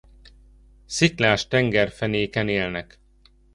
Sziklás tengerfenéken élnek.